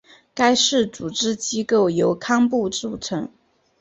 该寺组织机构由堪布组成。